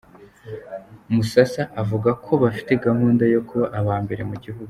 Musasa avuga ko bafite gahunda yo kuba aba mbere mu gihugu.